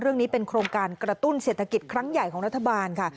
เรื่องนี้เป็นโครงการกระตุ้นเศรษฐกิจครั้งใหญ่ของรัฐบาลค่ะ